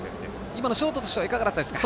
今のショートとしてはいかがだったですか？